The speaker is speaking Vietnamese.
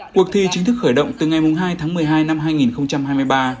cuộc thi chính thức khởi động từ ngày hai tháng một mươi hai năm hai nghìn hai mươi ba